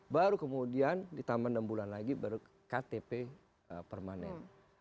baru kemudian ditambah enam bulan lagi baru ktp permanen